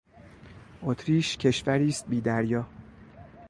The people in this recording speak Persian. اتریش کشوری است بیدریا